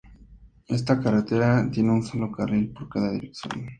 Esta carretera tiene un sólo carril por cada dirección.